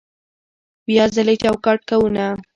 بیا ځلې چوکاټ کوونه